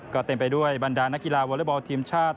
ก็เต็มไปด้วยบรรดานักกีฬาวอเล็กบอลทีมชาติ